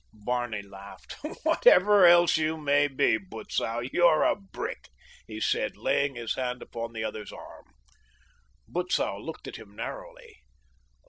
Barney laughed. "Whatever else you may be, Butzow, you're a brick," he said, laying his hand upon the other's arm. Butzow looked at him narrowly.